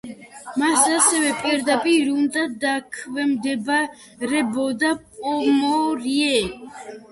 მას ასევე პირდაპირ უნდა დაქვემდებარებოდა პომორიე.